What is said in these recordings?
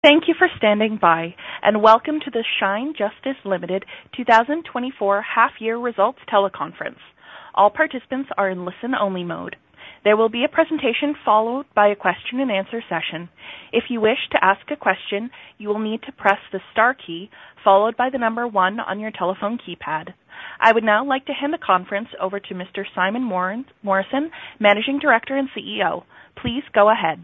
Thank you for standing by, and welcome to the Shine Justice Limited 2024 half year results teleconference. All participants are in listen-only mode. There will be a presentation followed by a question and answer session. If you wish to ask a question, you will need to press the star key, followed by the number one on your telephone keypad. I would now like to hand the conference over to Mr. Simon Morrison, Managing Director and CEO. Please go ahead.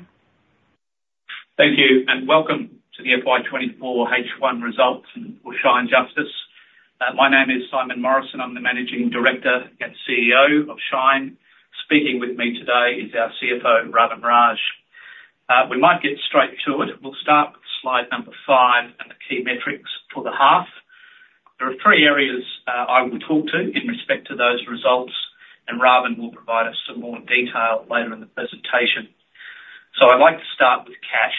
Thank you, and welcome to the FY24 H1 results for Shine Justice. My name is Simon Morrison. I'm the Managing Director and CEO of Shine. Speaking with me today is our CFO, Ravin Raj. We might get straight to it. We'll start with slide 5 and the key metrics for the half. There are 3 areas I will talk to in respect to those results, and Ravin will provide us some more detail later in the presentation. I'd like to start with cash.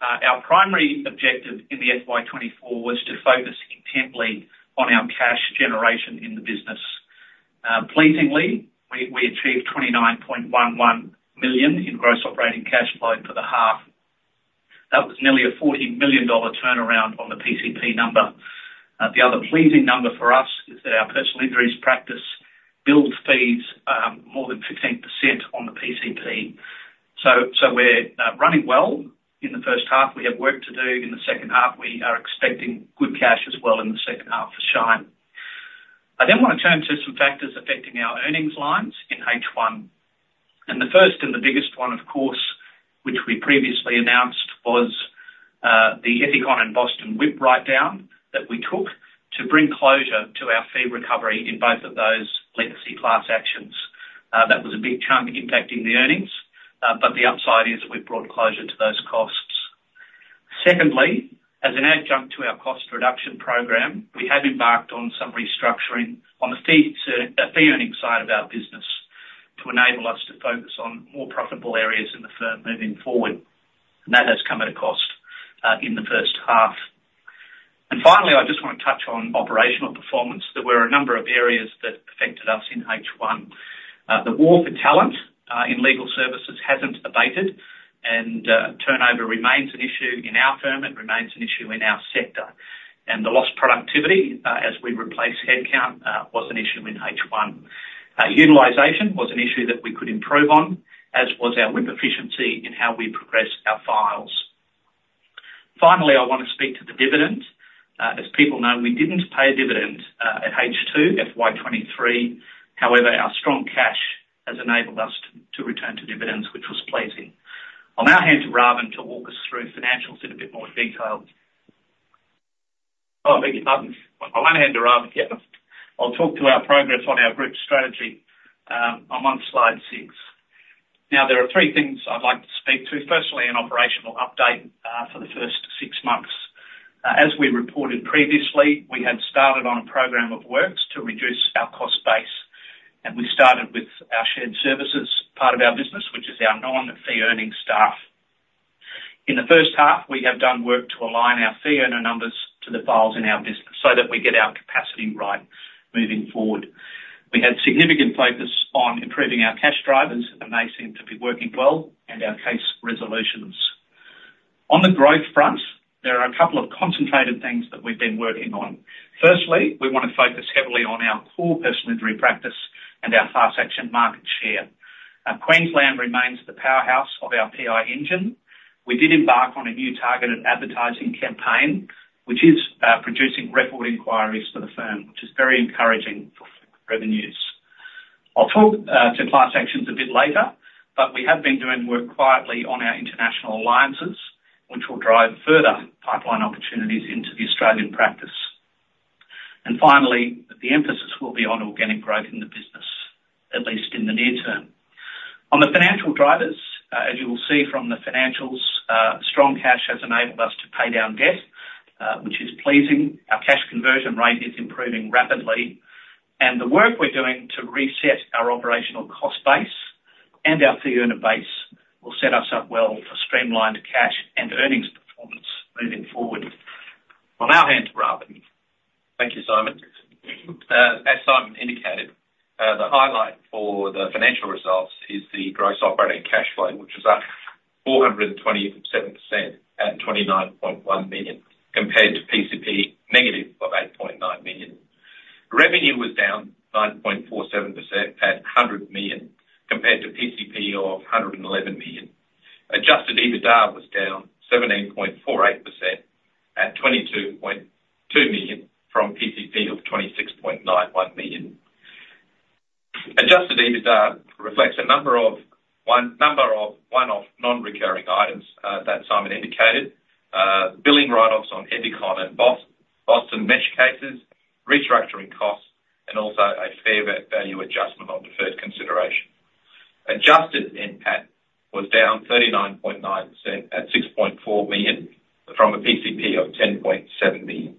Our primary objective in the FY24 was to focus intently on our cash generation in the business. Pleasingly, we, we achieved 29.11 million in gross operating cash flow for the half. That was nearly an 40 million dollar turnaround on the PCP number. The other pleasing number for us is that our personal injuries practice billed fees more than 15% on the PCP. So we're running well in the first half. We have work to do in the second half. We are expecting good cash as well in the second half for Shine. I then wanna turn to some factors affecting our earnings lines in H1, and the first and the biggest one, of course, which we previously announced, was the Ethicon and Boston WIP write-down that we took to bring closure to our fee recovery in both of those legacy class actions. That was a big chunk impacting the earnings, but the upside is that we've brought closure to those costs. Secondly, as an adjunct to our cost reduction program, we have embarked on some restructuring on the fee earning side of our business to enable us to focus on more profitable areas in the firm moving forward, and that has come at a cost in the first half. Finally, I just want to touch on operational performance. There were a number of areas that affected us in H1. The war for talent in legal services hasn't abated, and turnover remains an issue in our firm, and remains an issue in our sector. The lost productivity as we replace headcount was an issue in H1. Utilization was an issue that we could improve on, as was our WIP efficiency in how we progress our files. Finally, I wanna speak to the dividend. As people know, we didn't pay a dividend at H2 FY23. However, our strong cash has enabled us to return to dividends, which was pleasing. I'll now hand to Ravin to walk us through financials in a bit more detail. Oh, beg your pardon. I'll hand to Ravin. Yeah. I'll talk to our progress on our group strategy on slide six. Now, there are three things I'd like to speak to. Firstly, an operational update for the first six months. As we reported previously, we had started on a program of works to reduce our cost base, and we started with our shared services part of our business, which is our non-fee earning staff. In the first half, we have done work to align our fee earner numbers to the files in our business, so that we get our capacity right moving forward. We had significant focus on improving our cash drivers, and they seem to be working well, and our case resolutions. On the growth front, there are a couple of concentrated things that we've been working on. Firstly, we want to focus heavily on our core personal injury practice and our class action market share. Queensland remains the powerhouse of our PI engine. We did embark on a new targeted advertising campaign, which is producing record inquiries for the firm, which is very encouraging for revenues. I'll talk to class actions a bit later, but we have been doing work quietly on our international alliances, which will drive further pipeline opportunities into the Australian practice. Finally, the emphasis will be on organic growth in the business, at least in the near term. On the financial drivers, as you will see from the financials, strong cash has enabled us to pay down debt, which is pleasing. Our cash conversion rate is improving rapidly, and the work we're doing to reset our operational cost base and our fee earner base, will set us up well for streamlined cash and earnings performance moving forward. I'll now hand to Ravin. Thank you, Simon. As Simon indicated, the highlight for the financial results is the gross operating cash flow, which is up 427% at 29.1 million, compared to PCP negative of 8.9 million. Revenue was down 9.47% at 100 million, compared to PCP of 111 million. Adjusted EBITDA was down 17.48% at 22.2 million from PCP of 26.91 million. Adjusted EBITDA reflects a number of one-off non-recurring items that Simon indicated. Billing write-offs on Ethicon and Boston Mesh cases, restructuring costs, and also a fair value adjustment on deferred consideration. Adjusted NPAT was down 39.9% at 6.4 million, from a PCP of 10.7 million.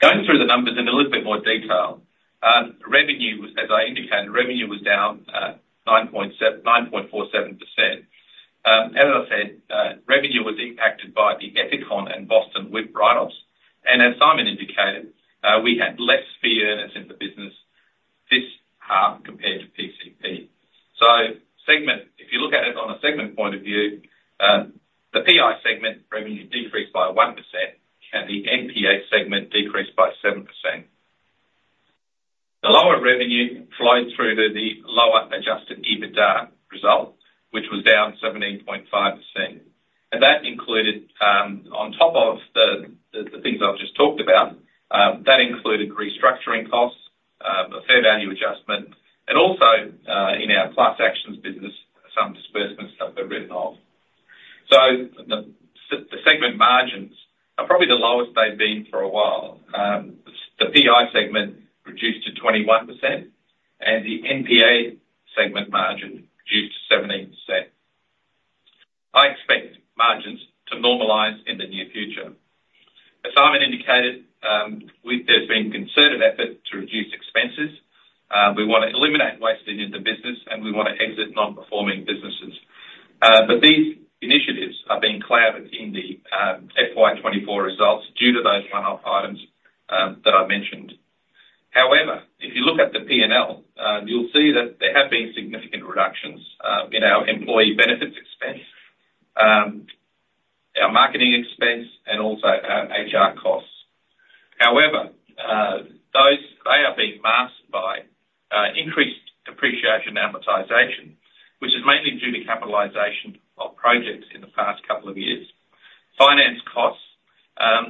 Going through the numbers in a little bit more detail, revenue, as I indicated, revenue was down 9.47%. As I said, revenue was impacted by the Ethicon and Boston WIP write-offs, and as Simon indicated, we had less fee ear- ...So segment, if you look at it on a segment point of view, the PI segment revenue decreased by 1%, and the NPA segment decreased by 7%. The lower revenue flowed through to the lower adjusted EBITDA result, which was down 17.5%. And that included, on top of the things I've just talked about, that included restructuring costs, a fair value adjustment, and also, in our class actions business, some disbursements that were written off. So the segment margins are probably the lowest they've been for a while. The PI segment reduced to 21%, and the NPA segment margin reduced to 17%. I expect margins to normalize in the near future. As Simon indicated, there's been concerted effort to reduce expenses. We want to eliminate waste in the business, and we want to exit non-performing businesses. But these initiatives are being clouded in the FY24 results due to those one-off items that I mentioned. However, if you look at the P&L, you'll see that there have been significant reductions in our employee benefits expense, our marketing expense, and also our HR costs. However, those, they are being masked by increased depreciation and amortization, which is mainly due to capitalization of projects in the past couple of years. Finance costs,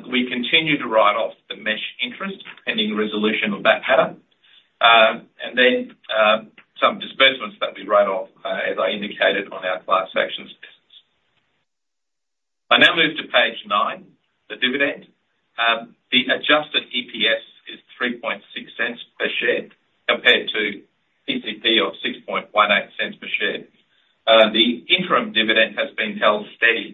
we continue to write off the mesh interest, pending resolution of that matter. And then, some disbursements that we write off, as I indicated, on our class actions business. I now move to page 9, the dividend. The adjusted EPS is 0.036 per share, compared to PCP of 0.0618 per share. The interim dividend has been held steady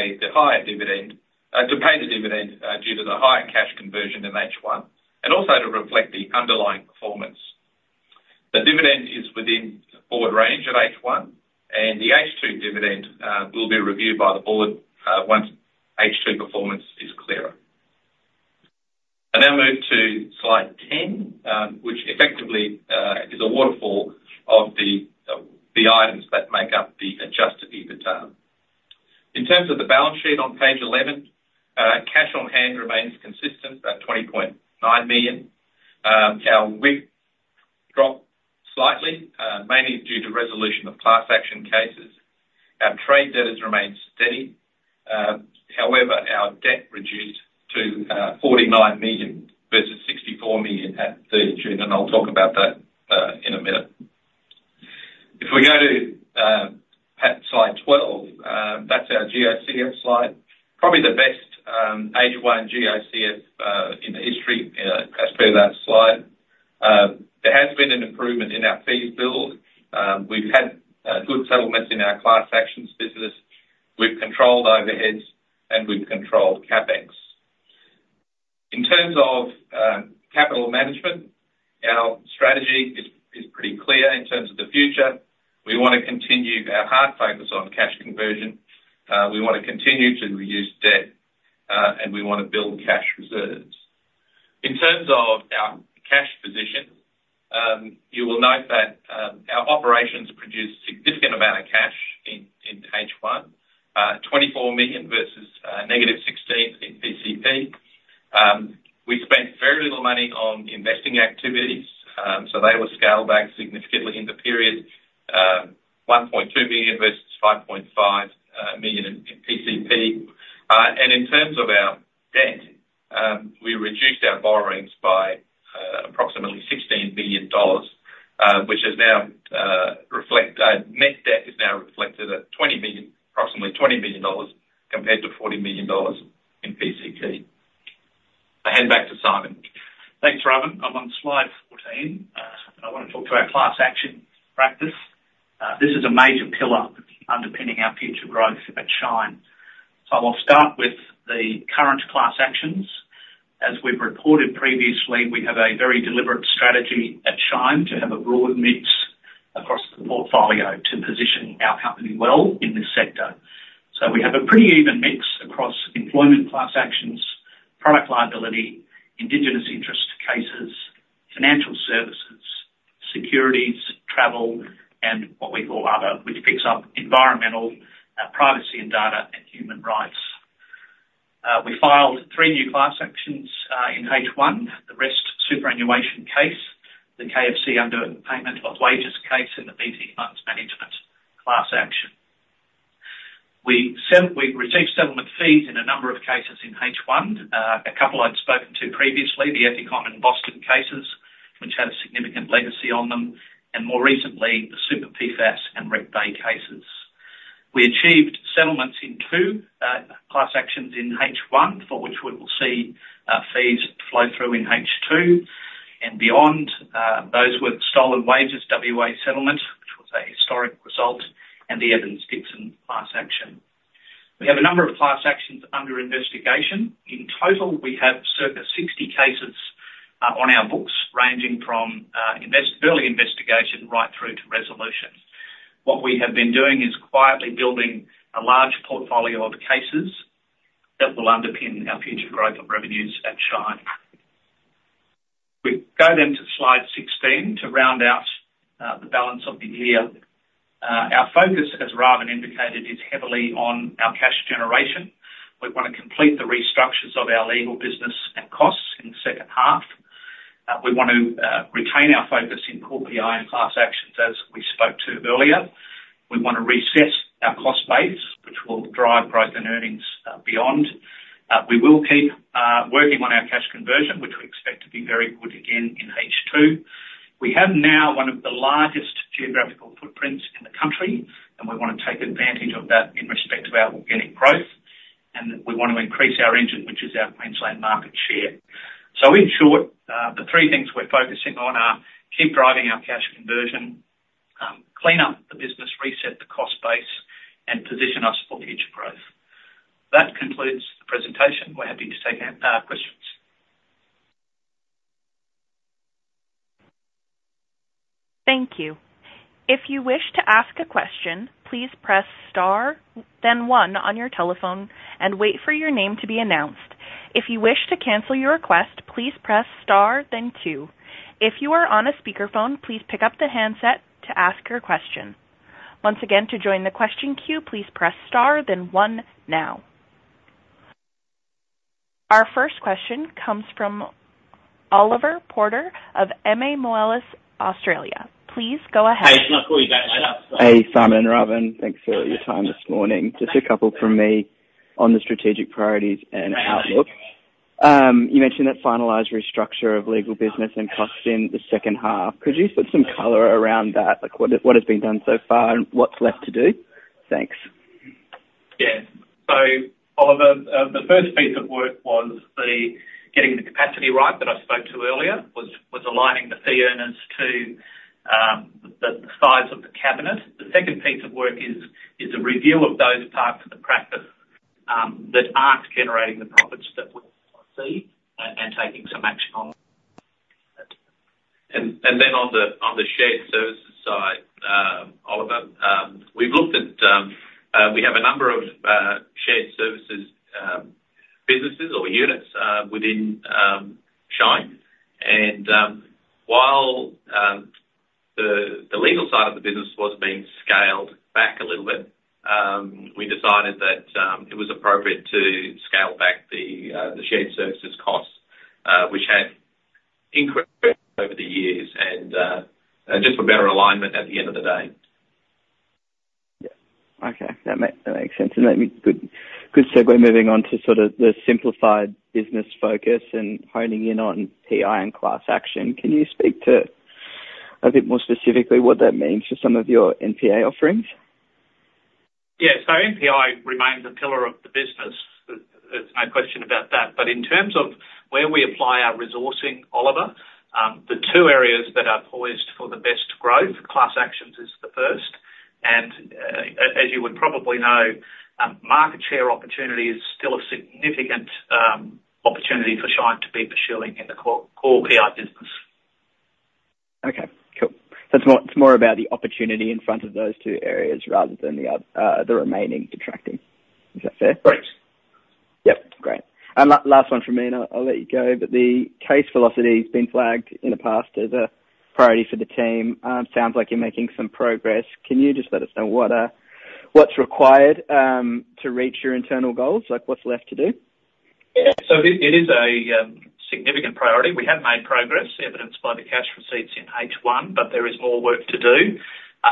at AUD 0.015 compared to PCP. However, it was decided to pay the higher dividend, to pay the dividend, due to the higher cash conversion in H1, and also to reflect the underlying performance. The dividend is within the forward range of H1, and the H2 dividend will be reviewed by the board once H2 performance is clearer. I now move to slide 10, which effectively is a waterfall of the, the items that make up the adjusted EBITDA. In terms of the balance sheet on page 11, cash on hand remains consistent at 20.9 million. Our WIP dropped slightly, mainly due to resolution of class action cases. Our trade debtors remained steady. However, our debt reduced to 49 million, versus 64 million at 30 June, and I'll talk about that in a minute. If we go to page slide 12, that's our GOCF slide. Probably the best H1 GOCF in the history as per that slide. There has been an improvement in our fees build. We've had good settlements in our class actions business. We've controlled overheads, and we've controlled CapEx. In terms of capital management, our strategy is pretty clear in terms of the future. We want to continue our hard focus on cash conversion, we want to continue to reduce debt, and we want to build cash reserves. In terms of our cash position, you will note that our operations produced a significant amount of cash in H1, 24 million versus -16 million in PCP. We spent very little money on investing activities, so they were scaled back significantly in the period, AUD 1.2 million versus 5.5 million in PCP. And in terms of our debt, we reduced our borrowings by approximately 16 billion dollars, which is now reflected—net debt is now reflected at 20 billion, approximately 20 billion dollars, compared to 40 million dollars in PCP. I hand back to Simon. Thanks, Robin. I'm on slide 14. I want to talk to our class action practice. This is a major pillar underpinning our future growth at Shine. So I'll start with the current class actions. As we've reported previously, we have a very deliberate strategy at Shine to have a broad mix across the portfolio to position our company well in this sector. So we have a pretty even mix across employment class actions, product liability, indigenous interest cases, financial services, securities, travel, and what we call other, which picks up environmental, privacy and data, and human rights. We filed 3 new class actions in H1, the Rest Super superannuation case, the KFC underpayment of wages case, and the BT Funds Management class action. We received settlement fees in a number of cases in H1. A couple I'd spoken to previously, the Ethicon and Boston cases, which had a significant legacy on them, and more recently, the Super PFAS and Wreck Bay cases. We achieved settlements in two class actions in H1, for which we will see fees flow through in H2 and beyond. Those were the Stolen Wages WA settlement, which was a historic result, and the Evans Dixon class action. We have a number of class actions under investigation. In total, we have circa 60 cases on our books, ranging from early investigation right through to resolution.... What we have been doing is quietly building a large portfolio of cases that will underpin our future growth of revenues at Shine. We go then to slide 16 to round out the balance of the year. Our focus, as Robin indicated, is heavily on our cash generation. We want to complete the restructures of our legal business and costs in the second half. We want to retain our focus in core PI and class actions, as we spoke to earlier. We want to reset our cost base, which will drive growth and earnings beyond. We will keep working on our cash conversion, which we expect to be very good again in H2. We have now one of the largest geographical footprints in the country, and we want to take advantage of that in respect to our organic growth, and we want to increase our engine, which is our Queensland market share. So in short, the three things we're focusing on are: keep driving our cash conversion, clean up the business, reset the cost base, and position us for future growth. That concludes the presentation. We're happy to take questions. Thank you. If you wish to ask a question, please press star, then one on your telephone and wait for your name to be announced. If you wish to cancel your request, please press star, then two. If you are on a speakerphone, please pick up the handset to ask your question. Once again, to join the question queue, please press star, then one now. Our first question comes from Oliver Porter of MA Moelis Australia. Please go ahead. Hey, Simon, Robin, thanks for your time this morning. Just a couple from me on the strategic priorities and outlook. You mentioned that finalized restructure of legal business and costs in the second half. Could you put some color around that? Like, what has, what has been done so far and what's left to do? Thanks. Yeah. So, Oliver, the first piece of work was getting the capacity right, that I spoke to earlier, was aligning the fee earners to the size of the cabinet. The second piece of work is a review of those parts of the practice that aren't generating the profits that we foresee and taking some action on. Then on the shared services side, Oliver, we've looked at. We have a number of shared services businesses or units within Shine. And while the legal side of the business was being scaled back a little bit, we decided that it was appropriate to scale back the shared services costs, which had increased over the years, and just for better alignment at the end of the day. Yeah. Okay. That makes sense, and that makes a good segue moving on to sort of the simplified business focus and honing in on PI and class action. Can you speak to a bit more specifically what that means for some of your NPA offerings? Yeah. So NPA remains a pillar of the business. There's no question about that. But in terms of where we apply our resourcing, Oliver, the two areas that are poised for the best growth, class actions is the first, and as you would probably know, market share opportunity is still a significant opportunity for Shine to be pursuing in the core PI business. Okay, cool. So it's more, it's more about the opportunity in front of those two areas rather than the other, the remaining detracting. Is that fair? Correct. Yep, great. Last one from me, and I'll let you go, but the case velocity's been flagged in the past as a priority for the team. Sounds like you're making some progress. Can you just let us know what, what's required to reach your internal goals? Like, what's left to do? Yeah. So it is a significant priority. We have made progress, evidenced by the cash receipts in H1, but there is more work to do.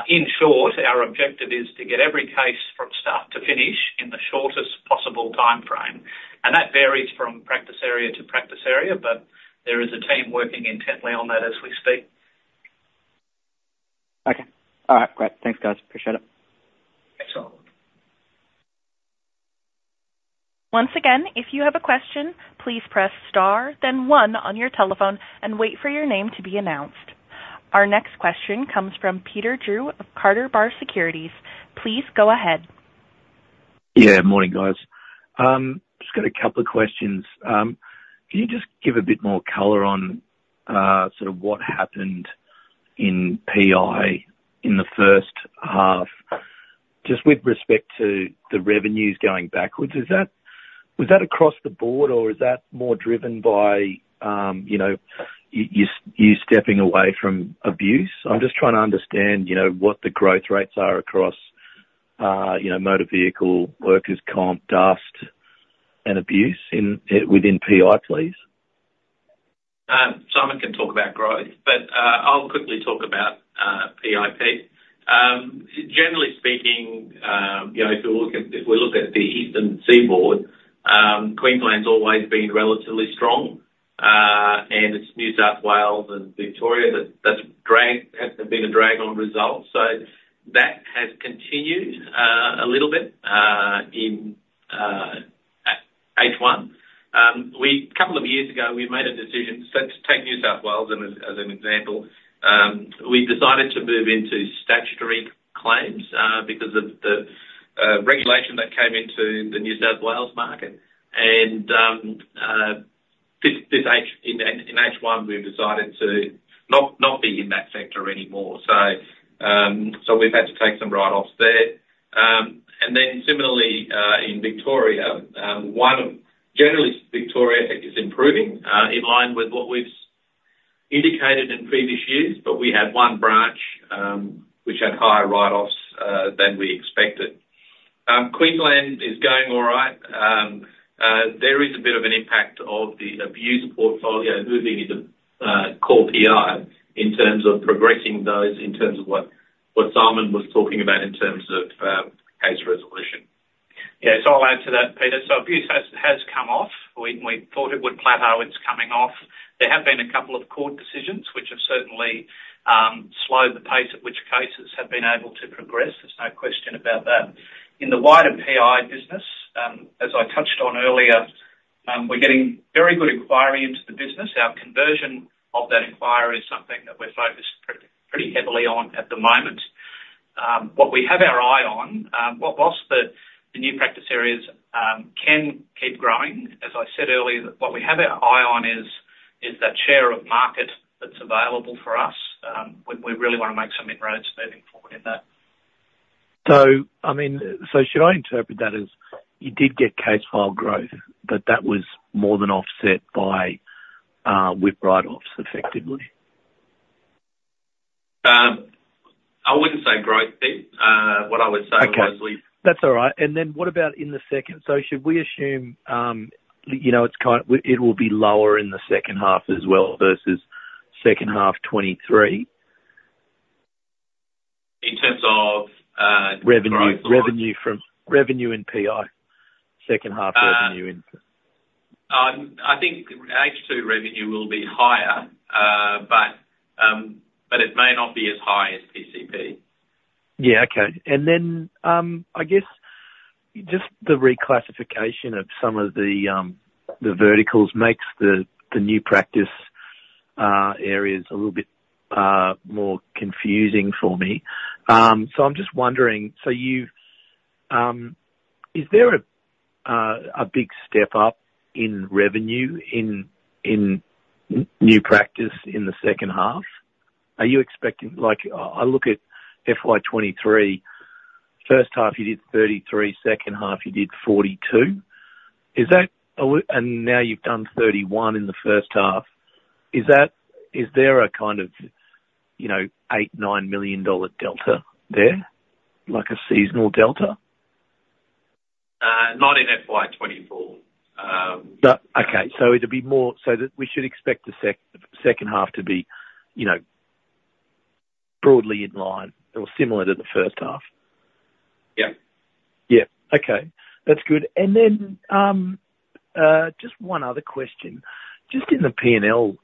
In short, our objective is to get every case from start to finish in the shortest possible timeframe, and that varies from practice area to practice area, but there is a team working intently on that as we speak. Okay. All right, great. Thanks, guys. Appreciate it. Thanks a lot. Once again, if you have a question, please press star, then one on your telephone and wait for your name to be announced. Our next question comes from Peter Drew of Carter Bar Securities. Please go ahead. Yeah. Morning, guys. Just got a couple of questions. Can you just give a bit more color on sort of what happened in PI in the first half, just with respect to the revenues going backwards? Was that across the board, or is that more driven by you know, you stepping away from abuse? I'm just trying to understand, you know, what the growth rates are across you know, motor vehicle, workers' comp, dust, and abuse within PI, please. Simon can talk about growth, but I'll quickly talk about PI. Generally speaking, you know, if you look at... If we look at the Eastern Seaboard, Queensland's always been relatively strong, and it's New South Wales and Victoria that, that's dragged, have been a drag on results. So that has continued a little bit in H1. A couple of years ago, we made a decision, so let's take New South Wales and as an example. We decided to move into statutory claims because of the regulation that came into the New South Wales market, and... This H1 in H1 we've decided to not be in that sector anymore. So we've had to take some write-offs there. And then similarly in Victoria, generally, Victoria, I think, is improving in line with what we've indicated in previous years, but we had one branch which had higher write-offs than we expected. Queensland is going all right. There is a bit of an impact of the abuse portfolio moving into core PI, in terms of progressing those, in terms of what Simon was talking about, in terms of case resolution. Yeah. So I'll add to that, Peter. So abuse has come off. We thought it would plateau. It's coming off. There have been a couple of court decisions which have certainly slowed the pace at which cases have been able to progress. There's no question about that. In the wider PI business, as I touched on earlier, we're getting very good inquiry into the business. Our conversion of that inquiry is something that we're focused pretty heavily on at the moment. What we have our eye on, whilst the new practice areas can keep growing, as I said earlier, what we have our eye on is that share of market that's available for us. We really wanna make some inroads moving forward in that. I mean, so should I interpret that as you did get case file growth, but that was more than offset by, with write-offs, effectively? I wouldn't say growth, Pete. What I would say was we- Okay. That's all right. And then what about in the second? So should we assume, you know, it's kind... It will be lower in the second half as well, versus second half 2023? In terms of, growth- Revenue and PI, second half revenue in- I think H2 revenue will be higher, but it may not be as high as PCP. Yeah, okay. And then, I guess just the reclassification of some of the verticals makes the new practice areas a little bit more confusing for me. So I'm just wondering: Is there a big step up in revenue in new practice in the second half? Are you expecting- Like, I look at FY 2023, first half you did 33 million, second half you did 42 million. Is that a... And now you've done 31 million in the first half. Is that- is there a kind of, you know, 8-9 million dollar delta there, like a seasonal delta? Not in FY24. Okay, so it'll be more so that we should expect the second half to be, you know, broadly in line or similar to the first half? Yeah. Yeah. Okay. That's good. And then, just one other question. Just in the P&L,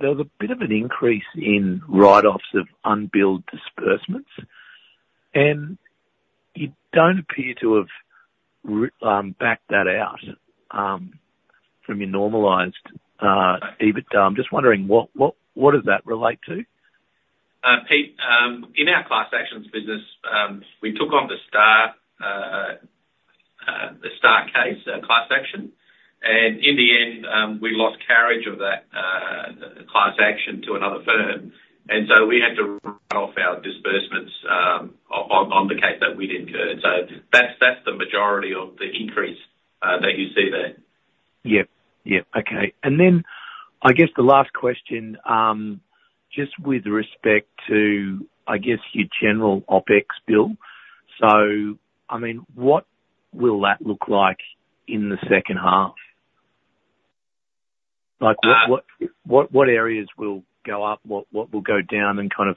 there was a bit of an increase in write-offs of unbilled disbursements, and you don't appear to have backed that out from your normalized EBIT. I'm just wondering, what does that relate to? Pete, in our class actions business, we took on the Star case, class action, and in the end, we lost carriage of that class action to another firm, and so we had to write off our disbursements on the case that we'd incurred. So that's, that's the majority of the increase that you see there. Yep. Yep. Okay. And then I guess the last question, just with respect to, I guess, your general OpEx bill. So, I mean, what will that look like in the second half? Like, what, what, what, what areas will go up? What, what will go down and kind of,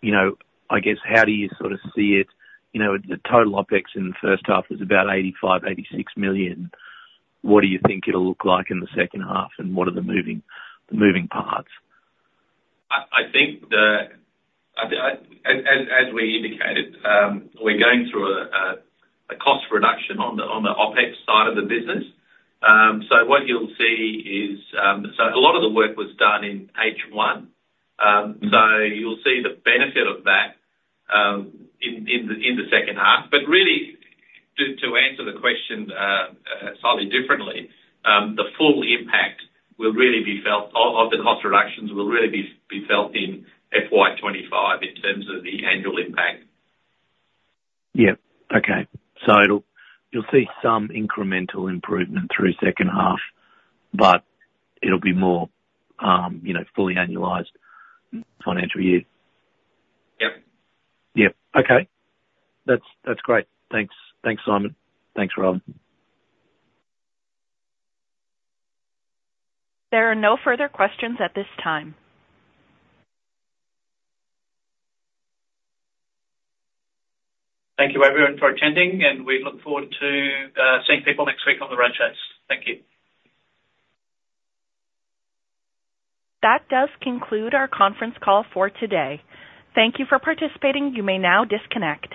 you know, I guess, how do you sort of see it? You know, the total OpEx in the first half was about 85-86 million. What do you think it'll look like in the second half, and what are the moving, the moving parts? I think, as we indicated, we're going through a cost reduction on the OpEx side of the business. So what you'll see is, so a lot of the work was done in H1, so you'll see the benefit of that, in the second half. But really, to answer the question, slightly differently, the full impact will really be felt, of the cost reductions will really be felt in FY25 in terms of the annual impact. Yeah. Okay. So it'll... You'll see some incremental improvement through second half, but it'll be more, you know, fully annualized financial year. Yep. Yep. Okay. That's, that's great. Thanks. Thanks, Simon. Thanks, Ravin. There are no further questions at this time. Thank you, everyone, for attending, and we look forward to seeing people next week on the road shows. Thank you. That does conclude our conference call for today. Thank you for participating. You may now disconnect.